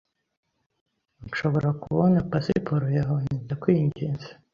Nshobora kubona pasiporo yawe, ndakwinginze?